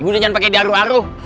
jangan pake daru aru